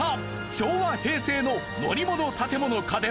昭和平成の乗り物・建物・家電